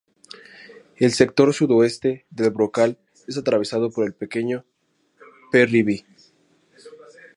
El sector sudoeste del brocal es atravesado por el pequeño "Parry B".